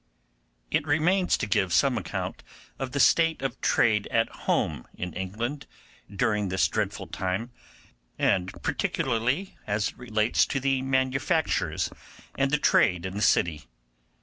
It remains to give some account of the state of trade at home in England during this dreadful time, and particularly as it relates to the manufactures and the trade in the city.